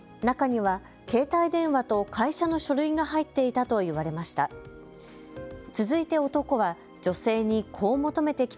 中には携帯電話と会社の書類が入っていたと言われました。